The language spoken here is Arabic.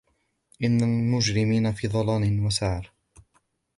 إن المجرمين في ضلال وسعر